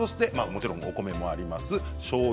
もちろんお米があります。